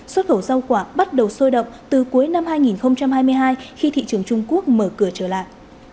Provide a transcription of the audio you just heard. xuất khẩu rau quả bắt đầu sôi động từ cuối năm hai nghìn hai mươi hai khi thị trường trung quốc mở cửa trở lại